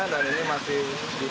dan ini masih dibuat